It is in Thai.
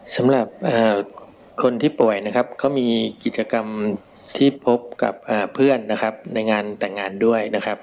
สำหรับคนที่ป่วยเขามีกิจกรรมที่พบกับเพื่อนในงานแต่งงานด้วย